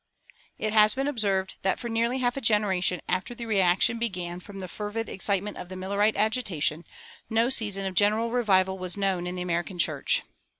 It has been observed that for nearly half a generation after the reaction began from the fervid excitement of the Millerite agitation no season of general revival was known in the American church.